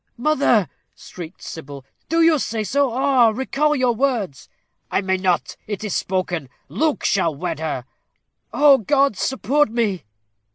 "Mother!" shrieked Sybil. "Do you say so? Oh! recall your words." "I may not; it is spoken. Luke shall wed her." "Oh God, support me!"